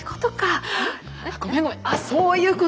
あっそういうことか。